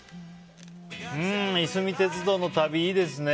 いすみ鉄道の旅、いいですね。